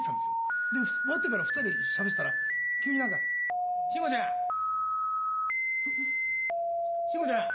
で終わってから２人でしゃべっていたら急になんか「慎吾ちゃん慎吾ちゃん」。